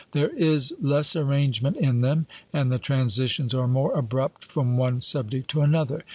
There is less arrangement in them, and the transitions are more abrupt from one subject to another.